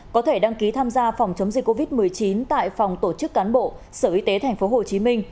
có thể đăng ký tham gia phòng chống dịch covid một mươi chín tại phòng tổ chức cán bộ sở y tế tp hcm